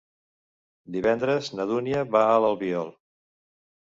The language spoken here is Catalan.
Divendres na Dúnia va a l'Albiol.